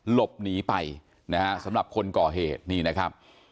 หลบหนีไปนะฮะสำหรับคนก่อเหตุนี่นะครับ